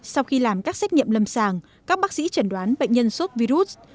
sau khi làm các xét nghiệm lâm sàng các bác sĩ chẩn đoán bệnh nhân sốt virus